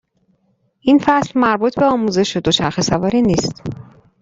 این فصل مربوط به آموزش دوچرخه سواری نیست.